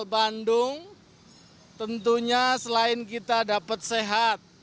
bandung tentunya selain kita dapat sehat